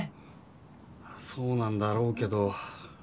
まあそうなんだろうけど。